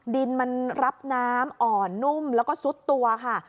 ดินมันรับน้ำอ่อนนุ่มแล้วก็ซุดตัวค่ะ